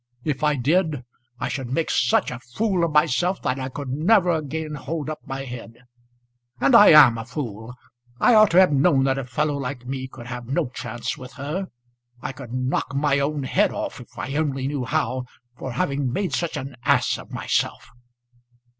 If I did I should make such a fool of myself that I could never again hold up my head. And I am a fool. I ought to have known that a fellow like me could have no chance with her. I could knock my own head off, if I only knew how, for having made such an ass of myself."